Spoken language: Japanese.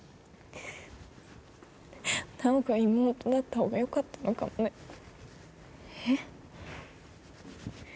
奈央が妹だった方がよかったのかもねえっ？